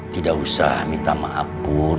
tidak usah minta maaf pun